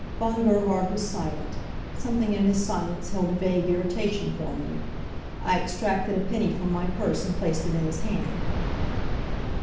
Von Gerhard was silent. Something in his silence held a vague irritation for me. I extracted a penny from my purse, and placed it in his hand.